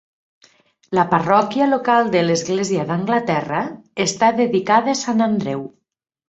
La parròquia local de l'Església d'Anglaterra està dedicada a Sant Andreu.